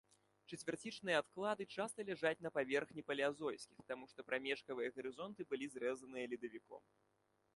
Чацвярцічныя адклады часта ляжаць на паверхні палеазойскіх, таму што прамежкавыя гарызонты былі зрэзаныя ледавіком.